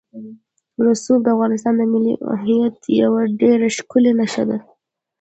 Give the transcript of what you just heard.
رسوب د افغانستان د ملي هویت یوه ډېره ښکاره نښه ده.